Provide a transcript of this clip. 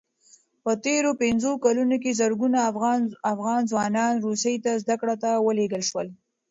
په تېرو پنځو کلونو کې زرګونه افغان ځوانان روسیې ته زدکړو ته ولېږل شول.